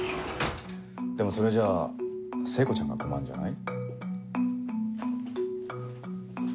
でもそれじゃあ聖子ちゃんが困るんじゃない？